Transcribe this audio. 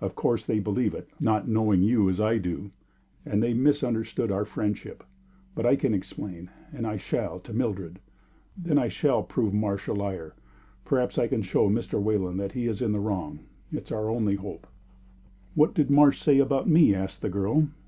Of course they believed it, not knowing you as I do, and they misunderstood our friendship. But I can explain, and I shall, to Mildred. Then I shall prove Marsh a liar. Perhaps I can show Mr. Wayland that he was in the wrong. It's our only hope." "What did Marsh say about me?" asked the girl.